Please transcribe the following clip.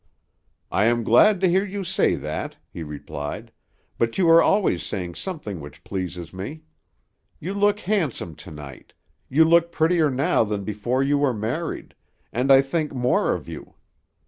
"I am glad to hear you say that," he replied, "but you are always saying something which pleases me. You look handsome to night; you look prettier now than before you were married, and I think more of you.